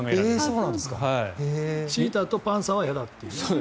チーターとパンサーは嫌だという。